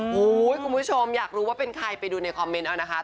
โอ้โหคุณผู้ชมอยากรู้ว่าเป็นใครไปดูในคอมเมนต์เอานะคะ